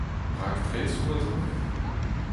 Raktresoù a zo ?